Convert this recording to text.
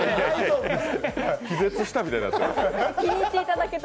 気絶したみたいになってる。